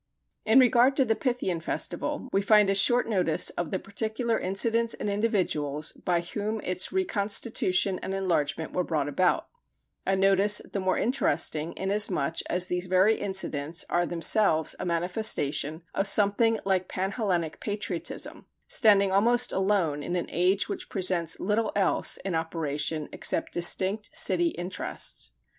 In regard to the Pythian festival, we find a short notice of the particular incidents and individuals by whom its reconstitution and enlargement were brought about a notice the more interesting inasmuch as these very incidents are themselves a manifestation of something like pan Hellenic patriotism, standing almost alone in an age which presents little else in operation except distinct city interests.